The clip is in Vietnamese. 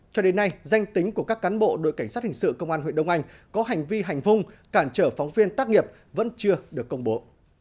cho đến nay danh tính của các cán bộ đội cảnh sát hình sự công an huyện đông anh có hành vi hành hung cản trở phóng viên tác nghiệp vẫn chưa được công bố